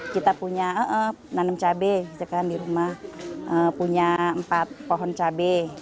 kita punya nanam cabai di rumah punya empat pohon cabai